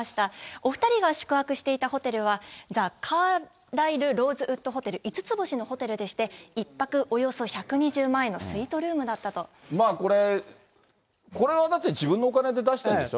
お２人が宿泊していたホテルは、ザ・カーライル・ローズウッドホテル、５つ星のホテルでして、１泊およそ１２０万円のスイートルームだこれ、これはだって自分のお金出だしてるんでしょ？